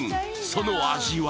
その味は？